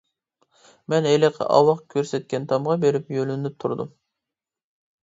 مەن ھېلىقى ئاۋاق كۆرسەتكەن تامغا بېرىپ يۆلىنىپ تۇردۇم.